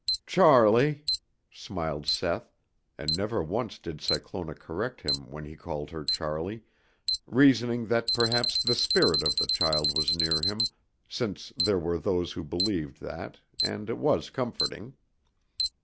"Charlie," smiled Seth, and never once did Cyclona correct him when he called her Charlie, reasoning that perhaps the spirit of the child was near him, since there were those who believed that and it was comforting.